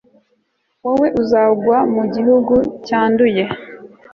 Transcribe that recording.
wowe uzagwa g mu gihugu cyanduye